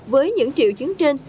với những triệu chứng trên